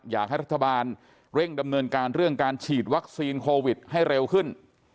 อยากให้รัฐบาลเร่งดำเนินการเรื่องการฉีดวัคซีนโควิดให้เร็วขึ้น